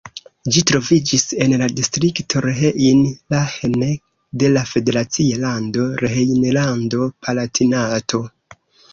Ĝi troviĝis en la distrikto Rhein-Lahn de la federacia lando Rejnlando-Palatinato.